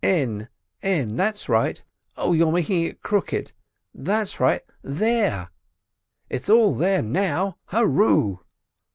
"N. N.—that's right—Ow, you're making it crooked!—that's right—there! it's all there now—Hurroo!"